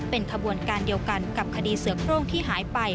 เป็นขบวนการเดียวกันกับคดีเสือโครงที่หายไป